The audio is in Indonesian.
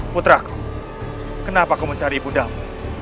putraku kenapa aku mencari ibu damu